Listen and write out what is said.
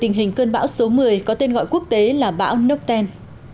tình hình cơn bão số một mươi có tên gọi quốc tế là bão nucten